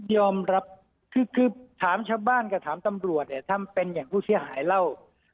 ยอมรับคือถามชาวบ้านกับถามตำรวจเนี่ยถ้าเป็นอย่างผู้เสียหายเล่า